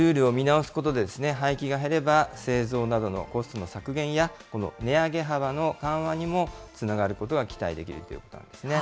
ルールを見直すことで、廃棄が減れば製造などのコストの削減やこの値上げ幅の緩和にもつながることが期待できるということなんですね。